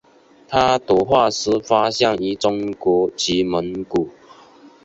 它的化石发现于中国及蒙古。